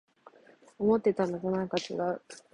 思ってたのとなんかちがう